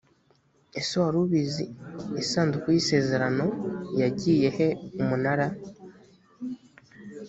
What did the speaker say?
ese wari ubizi isanduku y isezerano yagiye he umunara